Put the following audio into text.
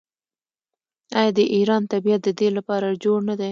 آیا د ایران طبیعت د دې لپاره جوړ نه دی؟